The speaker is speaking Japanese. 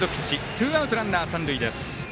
ツーアウト、ランナー、三塁です。